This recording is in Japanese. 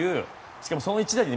しかも、その一打で。